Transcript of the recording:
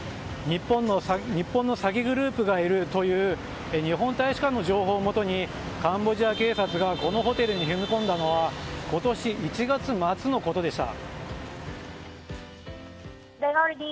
日本の詐欺グループがいるという日本大使館の情報をもとにカンボジア警察がこのホテルに踏み込んだのは今年１月末のことでした。